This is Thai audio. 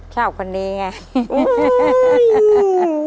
ชอบคนนี้ไง